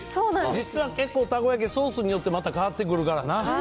実は結構、たこ焼き、ソースによって、また変わってくるからな。